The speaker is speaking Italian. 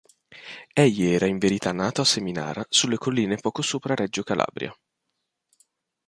Egli era in verità nato a Seminara sulle colline poco sopra Reggio Calabria.